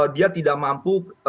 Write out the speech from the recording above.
dia tidak mampu